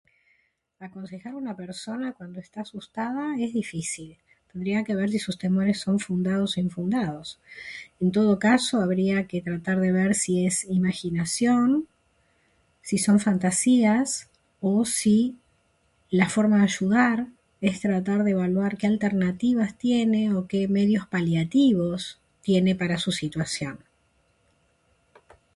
Aconsejar a una persona cuando está asustada es difícil. Tendría que ver si sus temores son fundados o infundados. En todo caso habría que ver si es imaginación, si son fantasías o si la forma de ayudar es tratar de evaluar qué alternativas tiene o qué medios paliativos tiene para su situación